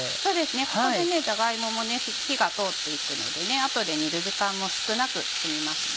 ここでじゃが芋も火が通っていくので後で煮る時間も少なく済みますね。